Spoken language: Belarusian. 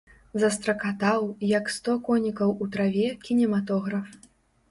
Застракатаў, як сто конікаў у траве, кінематограф.